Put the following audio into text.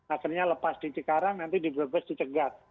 akhirnya lepas di cikarang nanti di bebes di cegat